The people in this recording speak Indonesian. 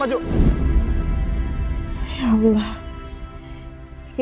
masa itu aku mau pergi